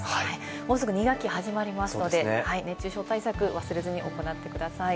もうすぐ２学期始まりますので、熱中症対策を忘れずに行ってください。